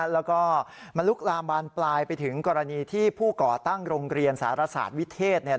แล้วก็มันลุกลามบานปลายไปถึงกรณีที่ผู้ก่อตั้งโรงเรียนสารศาสตร์วิเทศ